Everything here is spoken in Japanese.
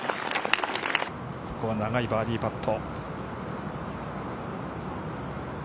ここは長いバーディーパット。